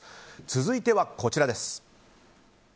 続いてはこちらです。